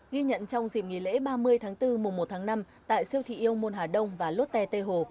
ghi nhận trong dịp nghỉ lễ ba mươi tháng bốn mùa một tháng năm tại siêu thị yêu môn hà đông và lốt tè tê hồ